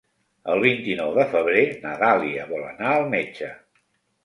El vint-i-nou de febrer na Dàlia vol anar al metge.